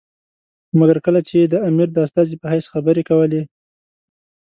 مګر کله چې یې د امیر د استازي په حیث خبرې کولې.